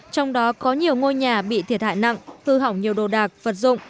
trong đó có nhiều ngôi nhà bị thiệt hại nặng hư hỏng nhiều đồ đạc vật dụng